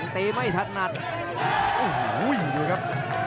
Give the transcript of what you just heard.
พี่หลีครับ